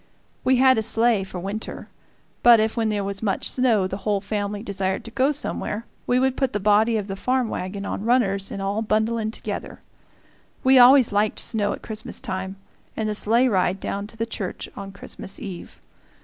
We had a sleigh for winter; but if, when there was much snow, the whole family desired to go somewhere, we would put the body of the farm wagon on runners and all bundle in together. We always liked snow at Christmas time, and the sleigh ride down to the church on Christmas eve.